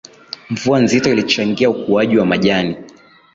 mvua nzito ilichangia ukuaji wa majani